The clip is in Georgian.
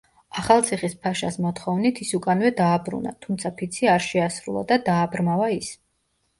ახალციხის ფაშას მოთხოვნით ის უკანვე დააბრუნა, თუმცა ფიცი არ შეასრულა და დააბრმავა ის.